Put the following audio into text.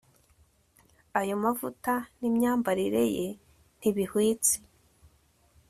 ayo mavuta n'imyambarire ye ntibihwitse